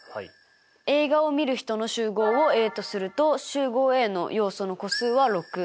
映画をみる人の集合をＡとすると集合Ａの要素の個数は６。